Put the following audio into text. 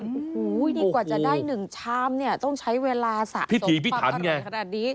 โอ้โหดีกว่าจะได้๑ชามเนี่ยต้องใช้เวลาสะสมความอร่อยขนาดนี้